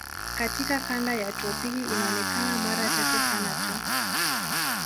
Katika kanda ya tropiki inaonekana mara chache sana tu.